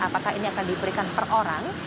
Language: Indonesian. apakah ini akan diberikan per orang